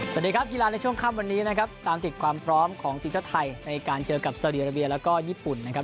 สวัสดีครับกีฬาในช่วงค่ำวันนี้นะครับตามติดความพร้อมของทีมชาติไทยในการเจอกับสาวดีอาราเบียแล้วก็ญี่ปุ่นนะครับ